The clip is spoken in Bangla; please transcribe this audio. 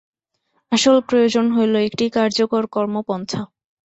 আসল প্রয়োজন হইল একটি কার্যকর কর্মপন্থা।